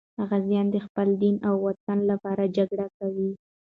غازیان د خپل دین او وطن لپاره جګړه کوي.